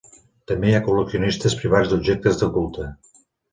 També hi ha col·leccionistes privats d'objectes de culte.